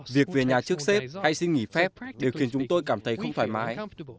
việc về nhà trước xếp hay xin nghỉ phép đều khiến chúng tôi cảm thấy không thoải mái